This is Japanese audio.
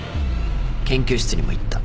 研究室にも行った。